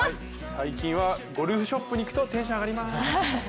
最近はゴルフショップに行くと、テンション上がります。